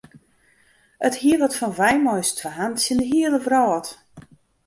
It hie wat fan wy mei ús twaen tsjin de hiele wrâld.